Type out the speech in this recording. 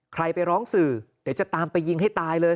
ใครไปร้องสื่อเดี๋ยวจะตามไปยิงให้ตายเลย